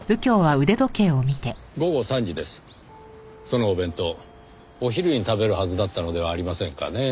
そのお弁当お昼に食べるはずだったのではありませんかねぇ。